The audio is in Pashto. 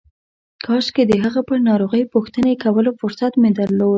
کاشکې د هغه پر ناروغۍ پوښتنې کولو فرصت مې درلود.